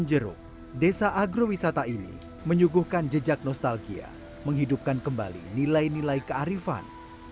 jeruk desa agrowisata ini menyuguhkan jejak nostalgia menghidupkan kembali nilai nilai kearifan